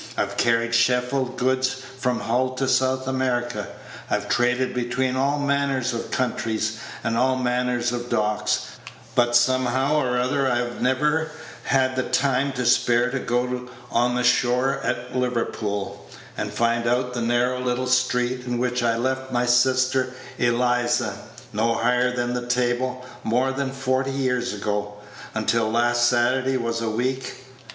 I've carried Sheffield goods from Hull to South America. I've traded between all manner of countries and all manner of docks; but somehow or other I've never had the time to spare to go on shore at Liverpool, and find out the narrow little street in which I left my sister Eliza, no higher than the table, more than forty years ago, until last Saturday was a week.